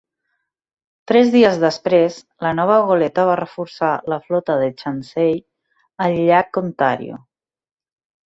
Tres dies després, la nova goleta va reforçar la flota de Chauncey al llac Ontario.